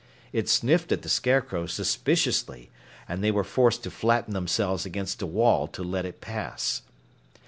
It sniffed at the Scarecrow suspiciously, and they were forced to flatten themselves against a wall to let it pass.